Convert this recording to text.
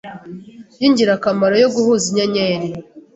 yingirakamaro yo guhuza inyenyeri